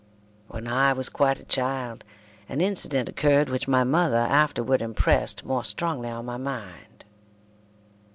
When I was quite a child, an incident occurred which my mother afterward impressed more strongly on my mind.